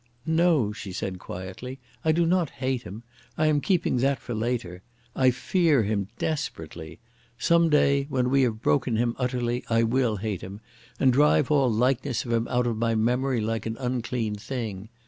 "No," she said quietly. "I do not hate him. I am keeping that for later. I fear him desperately. Some day when we have broken him utterly I will hate him, and drive all likeness of him out of my memory like an unclean thing.